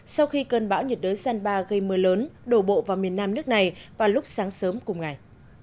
sau khi cơn bão nhiệt đới san ba gây mưa lớn đổ bộ vào miền nam nước này vào lúc sáng sớm cùng ngày